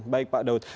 baik pak daud